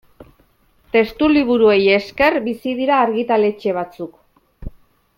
Testuliburuei esker bizi dira argitaletxe batzuk.